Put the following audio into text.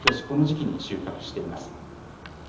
この時期に収穫しています。